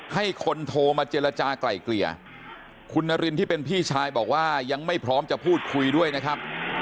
ให้คนโทรมาเจรจากลายเกลี่ยคุณนารินที่เป็นพี่ชายบอกว่ายังไม่พร้อมจะพูดคุยด้วยนะครับ